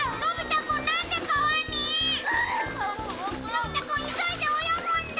のび太くん急いで泳ぐんだ！